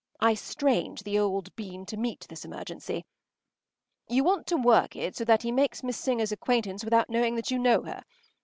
” I strained the old bean to meet this emergency. “You want to work it so that he makes Miss Singer’s acquaintance without knowing that you know her.